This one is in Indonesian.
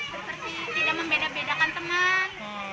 seperti tidak membeda bedakan teman